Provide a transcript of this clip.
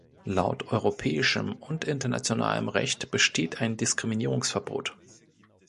Laut europäischem und internationalem Recht besteht ein Diskriminierungsverbot.